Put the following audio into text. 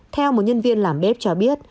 theo một nhân viên làm bếp cho biết